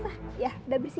udah bersih deh dari syifa